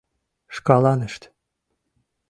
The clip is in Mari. Шкаланышт.